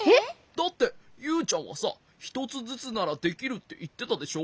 だってユウちゃんはさひとつずつならできるっていってたでしょ？